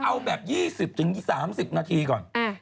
เอาแบบ๒๐๓๐นาทีก่อน